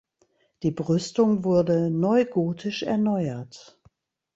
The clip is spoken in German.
Die Brüstung wurde neugotisch erneuert.